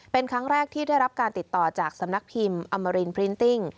เป็นครั้งแรกที่ได้รับการติดต่อจากสำนักพิมพ์อมรินพรินติ้ง